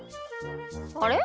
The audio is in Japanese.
あれ？